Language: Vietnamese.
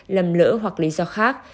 lầm lỡ hoặc lý do khác